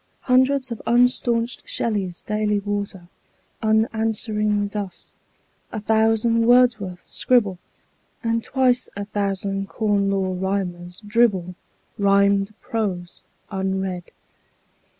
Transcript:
Hundreds of unstaunched Shelleys daily water Unanswering dust; a thousand Wordsworths scribble; And twice a thousand Corn Law Rhymers dribble Rhymed prose, unread.